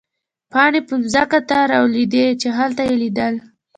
پاڼې به مځکې ته رالوېدې، چې هلته يې لیدل.